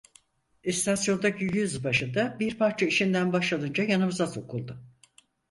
İstasyondaki yüzbaşı da, bir parça işinden baş alınca yanımıza sokuldu.